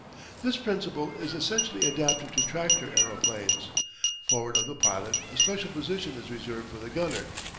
This principle is essentially adapted to tractor aeroplanes. Forward of the pilot a special position is reserved for the gunner.